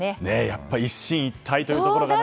やっぱり一進一退というところが。